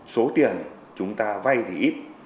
số tiền chúng ta vay thì ít